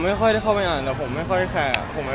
ไม่ค่อยได้เข้าไปอ่านแต่ผมไม่ค่อยแคร์